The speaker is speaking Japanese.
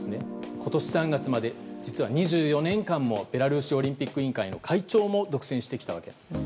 今年３月まで実は２４年間もベラルーシオリンピック委員会の会長も独占してきたわけなんです。